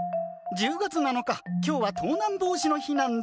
１０月７日、今日は盗難防止の日なんだ。